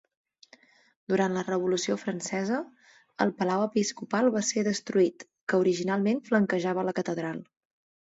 Durant la revolució francesa, el palau episcopal va ser destruït, que originalment flanquejava la catedral.